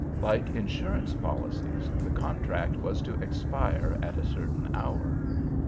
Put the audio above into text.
Like insurance policies, the contract was to expire at a certain hour.